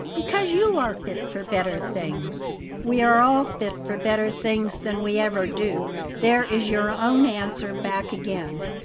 "Because you are fit for better things." "We are all fit for better things than we ever do. There is your own answer back again.